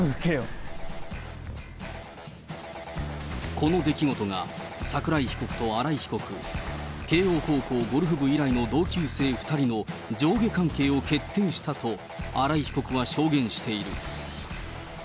この出来事が、桜井被告と新井被告、慶應高校ゴルフ部以来の同級生２人の上下関係を決定したと、新井被告は証言している。